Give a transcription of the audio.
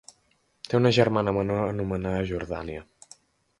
Té una germana menor anomenada Jordània.